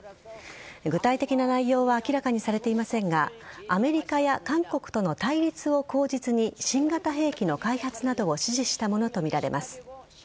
具体的な内容は明らかにされていませんがアメリカや韓国との対立を口実に新型兵器の開発などを指示したものとみられます。